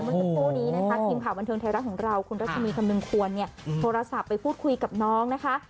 มันคือผู้นี้นะครับทีมข่าวบันเทิงไทยรักษ์ของเราคุณรัชมีธรรมิควรเนี่ยโทรศัพท์ไปพูดคุยกับน้องนะคะ